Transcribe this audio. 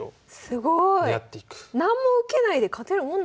すごい！